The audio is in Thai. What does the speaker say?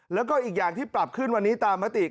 แล้วก็อีกอย่างที่ปรับขึ้นวันนี้ตามมติ